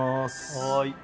はい。